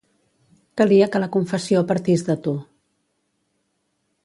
Calia que la confessió partís de tu.